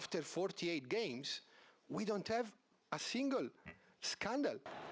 theo tôi không có một trận vòng bảng